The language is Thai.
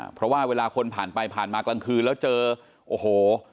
เพราะว่าเวลาคนผ่านไปผ่านมากลางคืนแล้วเจอโอ้โห